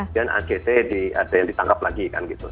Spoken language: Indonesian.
dan act ada yang ditangkap lagi kan gitu